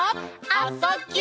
「あ・そ・ぎゅ」